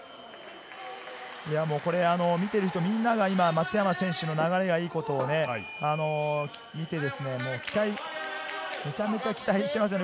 見ている人みんなが今、松山選手の流れがいいことを見て、めちゃめちゃ期待してますよね。